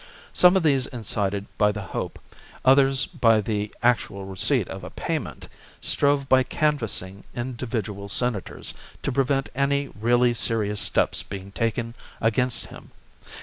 Some of these incited by the hope, others by the actual receipt of a pay ment, strove by canvassing individual senators to prevent any really serious steps being taken against him.